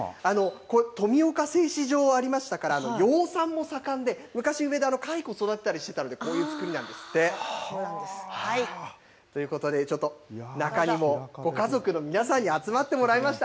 富岡製糸場、ありましたから、養蚕も盛んで、昔、上で蚕育てたりしてたので、こういう造りなんですって。ということでちょっと、中にも、ご家族の皆さんに集まってもらいました。